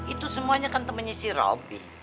itu semuanya kan temennya si robi